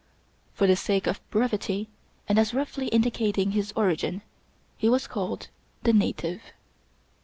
For the sake of brevity, and as roughly indicating his origin, he was called " The Native."